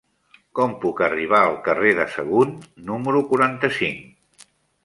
Com puc arribar al carrer de Sagunt número quaranta-cinc?